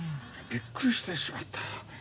びっくりしてしまった。